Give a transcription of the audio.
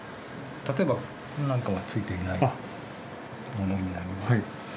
例えばこれなんかはついていないものになります。